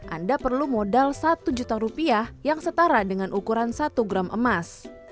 anda perlu modal satu juta rupiah yang setara dengan ukuran satu gram emas